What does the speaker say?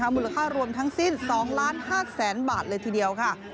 มูลค่ารวมทั้งสิ้น๒๕๐๐๐๐บาทเลยทีเดียวค่ะ